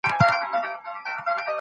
هغوی د ارزښتونو د پوهېدو لپاره نه لولي.